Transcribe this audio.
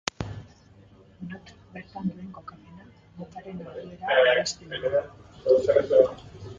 Notak bertan duen kokapenak, notaren altuera adierazten du.